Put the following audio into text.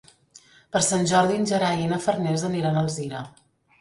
Per Sant Jordi en Gerai i na Farners aniran a Alzira.